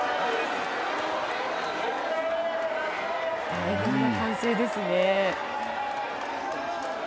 大変な歓声ですね。